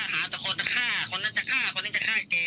หาแต่คนจะฆ่าคนนั้นจะฆ่าคนนั้นจะฆ่าแก